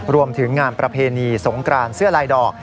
รวมถึงงานประเพณีสงกรานเสื้อลายดอก